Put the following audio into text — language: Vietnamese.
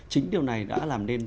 chính điều này đã làm nên